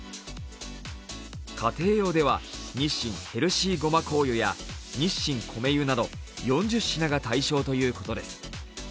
家庭用では日清ヘルシーごま香油や日清こめ油など４０品が対象ということです。